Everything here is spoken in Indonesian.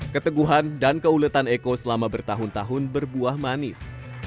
keteguhan dan keuletan eko selama bertahun tahun berbuah manis